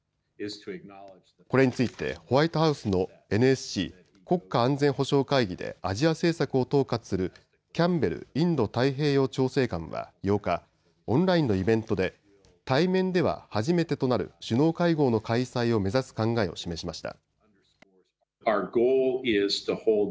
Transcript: これについてホワイトハウスのＮＳＣ・国家安全保障会議でアジア政策を統括するキャンベルインド太平洋調整官は８日、オンラインのイベントで対面では初めてとなる首脳会合の開催を目指す考えを示しました。